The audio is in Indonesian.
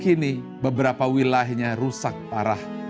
kini beberapa wilayahnya rusak parah